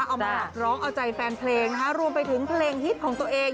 เอามาร้องเอาใจแฟนเพลงนะคะรวมไปถึงเพลงฮิตของตัวเอง